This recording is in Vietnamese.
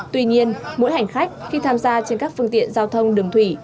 tuy nhiên mỗi hành khách khi tham gia trên các phương tiện giao thông đường thủy